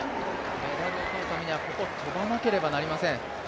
メダルを取るためにはここを跳ばなければなりません。